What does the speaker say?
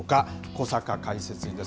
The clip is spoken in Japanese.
小坂解説委員です。